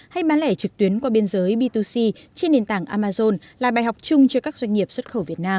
hay bán lẻ trực tuyến qua biên giới b hai c trên nền tảng amazon là bài học chung cho các doanh nghiệp xuất khẩu việt nam